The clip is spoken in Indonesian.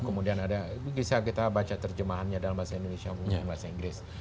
kemudian ada bisa kita baca terjemahannya dalam bahasa indonesia bahasa inggris